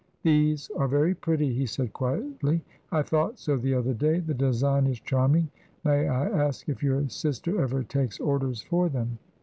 "These are very pretty," he said, quietly. "I thought so the other day. The design is charming. May I ask if your sister ever takes orders for them?"